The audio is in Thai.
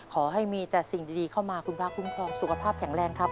ขอให้มีแต่สิ่งดีเข้ามาคุณพระคุ้มครองสุขภาพแข็งแรงครับ